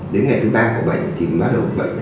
đến ngày thứ ba của bệnh thì bắt đầu bệnh